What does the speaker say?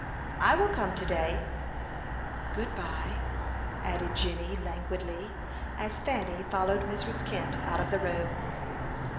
"I will come to day." "Good by," added Jenny, languidly, as Fanny followed Mrs. Kent out of the room.